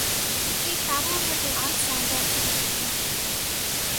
She travelled with the ensemble to Japan.